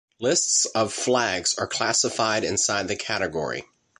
Lists of Flags are classified inside the category.